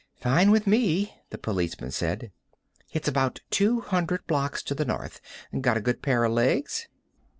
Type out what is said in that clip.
"Fine with me," the policeman said. "It's about two hundred blocks to the north. Got a good pair of legs?"